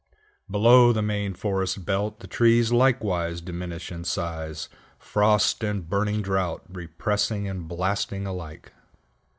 Below the main forest belt the trees likewise diminish in size, frost and burning drought repressing and blasting alike.